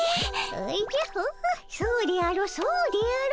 おじゃホホそうであろうそうであろう。